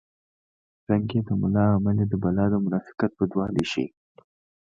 رنګ یې د ملا عمل یې د بلا د منافقت بدوالی ښيي